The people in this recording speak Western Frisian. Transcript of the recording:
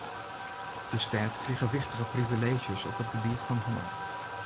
De stêd krige wichtige privileezjes op it gebiet fan hannel.